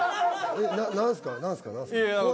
何すか？